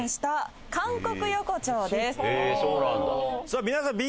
さあ皆さん。